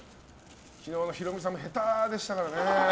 昨日のヒロミさんも下手でしたからね。